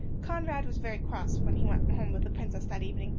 Conrad was very cross when he went home with the Princess that evening.